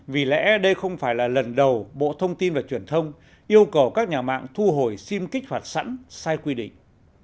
vì lẽ đây không phải là lần đầu bộ thông tin và truyền thông yêu cầu các nhà mạng thu hồi sim kích hoạt sẵn sai quy định